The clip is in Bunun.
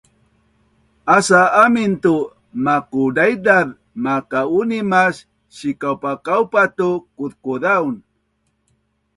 Asa amin tu makudaidaz malka-uni mas sikaupakaupa tu kuzkuzaun